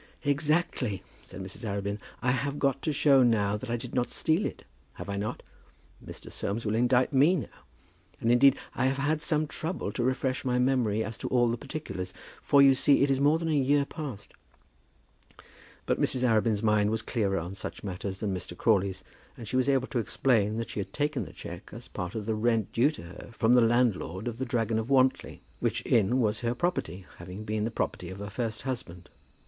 "Exactly," said Mrs. Arabin. "I have got to show now that I did not steal it, have I not? Mr. Soames will indict me now. And, indeed, I have had some trouble to refresh my memory as to all the particulars, for you see it is more than a year past." But Mrs. Arabin's mind was clearer on such matters than Mr. Crawley's, and she was able to explain that she had taken the cheque as part of the rent due to her from the landlord of "The Dragon of Wantly," which inn was her property, having been the property of her first husband.